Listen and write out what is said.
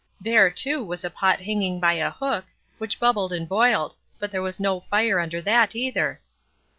There, too, was a pot hanging by a hook, which bubbled and boiled; but there was no fire under that either.